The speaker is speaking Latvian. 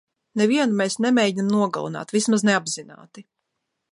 Nevienu mēs nemēģinām nogalināt, vismaz ne apzināti.